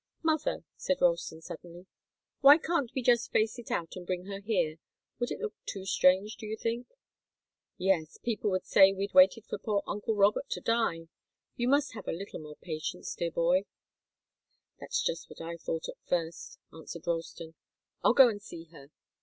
"Mother," said Ralston, suddenly, "why can't we just face it out and bring her here? Would it look too strange, do you think?" "Yes. People would say we'd waited for poor uncle Robert to die. You must have a little more patience, dear boy." "That's just what I thought at first," answered Ralston. "I'll go and see her.